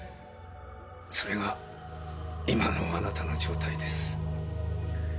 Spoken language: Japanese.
それが今のあなたの状態です。